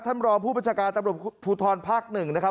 ท่านมรองผู้บัญชาการตำรวจผู้ทรภาคหนึ่งนะครับ